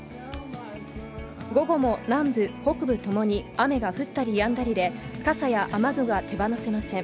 午後も南部、北部ともに雨が降ったりやんだりで、傘や雨具が手放せません。